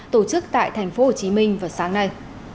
tổ chức tại tp hcm vào sáng nay